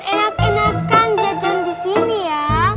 enak enakan jajan disini ya